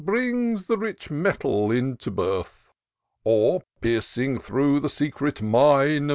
Brings the rich metal into birth : Or, piercing through the secret mine.